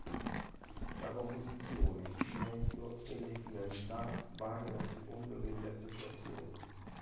La composizione, il metodo e le finalità variano a seconda delle associazioni.